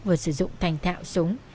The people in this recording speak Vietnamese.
vừa sử dụng thành thạo súng